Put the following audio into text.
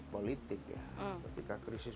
politik ya ketika krisis